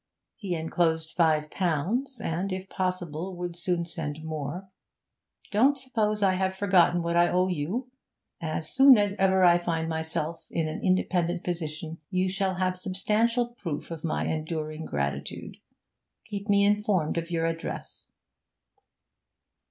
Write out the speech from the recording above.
He enclosed five pounds, and, if possible, would soon send more. 'Don't suppose I have forgotten what I owe you. As soon as ever I find myself in an independent position you shall have substantial proof of my enduring gratitude. Keep me informed of your address.'